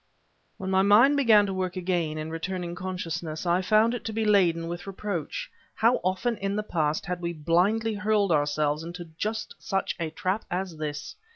When my mind began to work again, in returning consciousness, I found it to be laden with reproach. How often in the past had we blindly hurled ourselves into just such a trap as this?